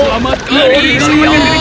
selamat tinggal sinbad